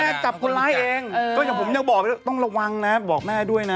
เจ้าจับคนร้ายเองอยากพยายามบอกต้องระวังนะบอกแม่ด้วยนะ